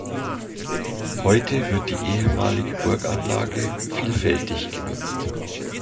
Heute wird die ehemalige Burganlage vielfältig genutzt.